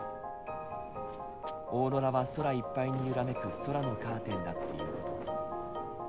オーロラは空いっぱいに揺らめく空のカーテンだっていうこと。